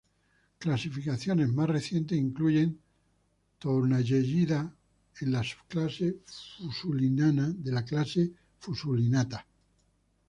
Clasificaciones más recientes incluyen Tournayellida en la subclase Fusulinana de la clase Fusulinata.